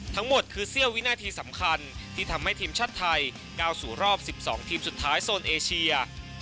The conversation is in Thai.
ทั้งหมดคือเสี้ยววินาทีสำคัญที่ทำให้ทีมชาติไทยก้าวสู่รอบ๑๒ทีมสุดท้ายโซนเอเชีย